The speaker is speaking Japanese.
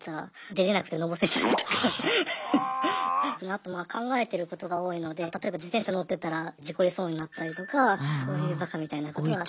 あと考えてることが多いので例えば自転車乗ってたら事故りそうになったりとかそういうバカみたいなことは。